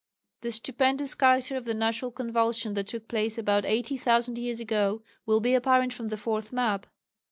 The stupendous character of the natural convulsion that took place about 80,000 years ago, will be apparent from the fourth map.